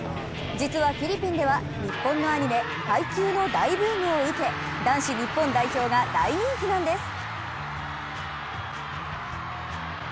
実はフィリピンでは日本のアニメ「ハイキュー！！」の大ブームを受けバレーボール男子日本代表が大人気なんです！